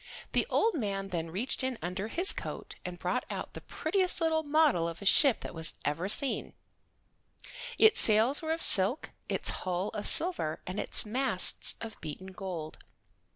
The old man then reached in under his coat and brought out the prettiest little model of a ship that ever was seen. Its sails were of silk, its hull of silver, and its masts of beaten gold.